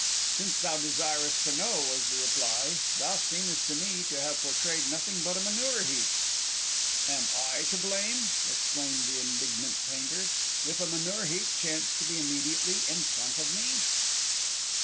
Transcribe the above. "Since thou desirest to know," was the reply, "thou seemest to me to have portrayed nothing but a manure heap!" "And am I to blame," exclaimed the indignant Painter, "if a manure heap chanced to be immediately in front of me?"